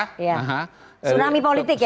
tsunami politik ya